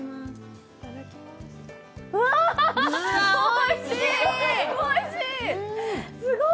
うわ、おいしい！